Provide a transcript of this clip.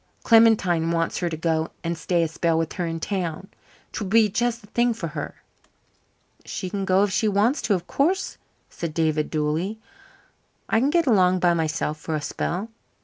Clementine wants her to go and stay a spell with her in town. 'Twould be just the thing for her." "She can go if she wants to, of course," said David dully. "I can get along by myself for a spell."